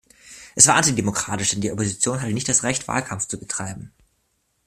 Es war antidemokratisch, denn die Opposition hatte nicht das Recht, Wahlkampf zu betreiben.